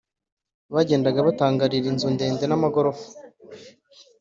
bagendaga batangarira inzu ndende z’amagorofa,